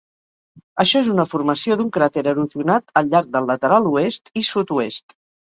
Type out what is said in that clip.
Això és una formació d"un cràter erosionat al llarg del lateral oest i sud-oest.